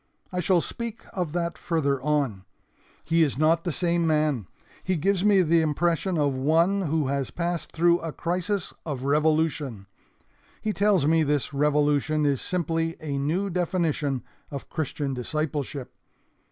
I shall speak of that farther on. He is not the same man. He gives me the impression of one who has passed through a crisis of revolution. He tells me this revolution is simply a new definition of Christian discipleship.